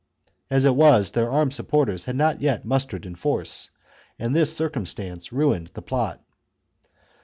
As it was, their armed sup porters had not yet mustered in force, and this circum stance ruined the plot.